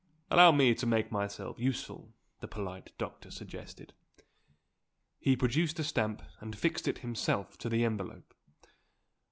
"Allow me to make myself useful," the polite doctor suggested. He produced a stamp, and fixed it himself on the envelope.